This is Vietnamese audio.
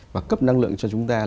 và cấp năng lượng cho chúng ta là